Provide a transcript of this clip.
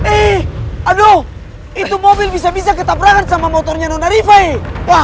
eh aduh itu mobil bisa bisa ketabrakan sama motornya dona rifa ee